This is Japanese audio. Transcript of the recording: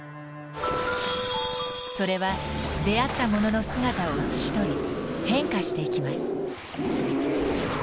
それは出会ったものの姿を写し取り変化していきます。